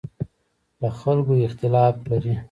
له خلکو اختلاف لري.